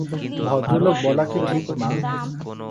ভদ্রলোক বলা কি ঠিক মা?